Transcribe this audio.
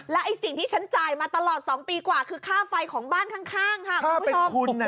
แล้วสิ่งที่ฉันจ่ายมาตลอด๒ปีกว่าคือค่าไฟของบ้านข้างค่ะ